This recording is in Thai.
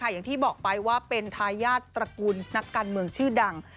อย่างที่บอกไปว่าเป็นทายาทตระกูลนักการเมืองชื่อดัง